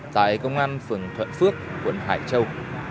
tại công an phường thuận phước quận hải châu